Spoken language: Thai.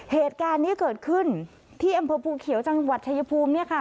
เหตุการณ์นี้เกิดขึ้นที่อำเภอภูเขียวจังหวัดชายภูมิเนี่ยค่ะ